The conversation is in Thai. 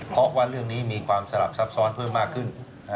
เพราะว่าเรื่องนี้มีความสลับซับซ้อนเพิ่มมากขึ้น